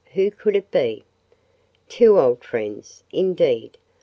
Who could it be?" "Two old friends, indeed.